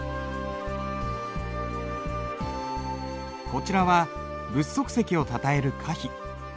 こちらは仏足石をたたえる歌碑。